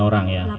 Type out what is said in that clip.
delapan orang ya